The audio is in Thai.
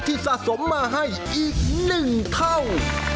สะสมมาให้อีก๑เท่า